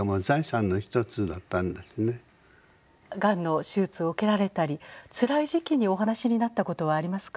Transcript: がんの手術を受けられたりつらい時期にお話しになったことはありますか？